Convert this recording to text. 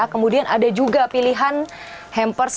kemudian ada juga pilihan hampers